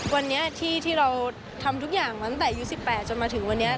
วันนี้ที่เราทำทุกอย่างมาตั้งแต่อายุ๑๘จนมาถึงวันนี้